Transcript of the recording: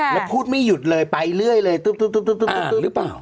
แล้วพูดไม่หยุดเลยไปเรื่อยเลยตึ๊บหรือเปล่า